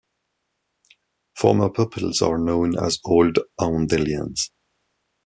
Former pupils are known as Old Oundelians.